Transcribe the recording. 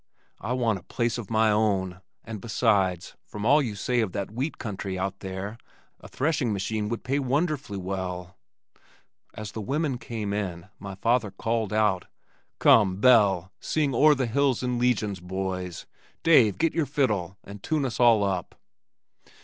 I want a place of my own and besides, from all you say of that wheat country out there, a threshing machine would pay wonderfully well." As the women came in, my father called out, "Come, Belle, sing 'O'er the Hills in Legions Boys!' Dave get out your fiddle and tune us all up."